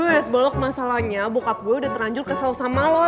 es bolok masalahnya bokap gue udah teranjur kesel sama lo